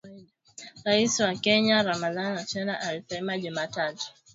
raia wa Kenya Ramadan Otyeno alisema Jumatatu